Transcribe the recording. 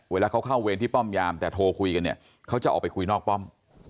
เวลาเขาเข้าเวรที่ป้อมยามแต่โทรคุยกันเนี่ยเขาจะออกไปคุยนอกป้อม